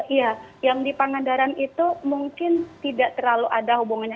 iya yang di pangandaran itu mungkin tidak terlalu ada hubungannya